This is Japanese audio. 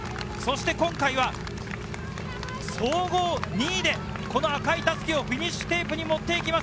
今回は総合２位で赤い襷をフィニッシュテープに持って行きます。